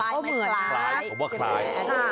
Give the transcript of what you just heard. เพราะว่าคล้ายเพราะว่าคล้าย